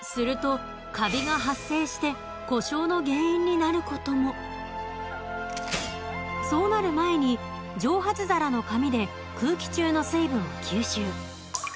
するとそうなる前に蒸発皿の紙で空気中の水分を吸収。